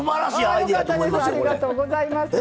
ありがとうございます。